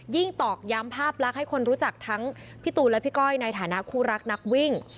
ตอกย้ำภาพลักษณ์ให้คนรู้จักทั้งพี่ตูนและพี่ก้อยในฐานะคู่รักนักวิ่ง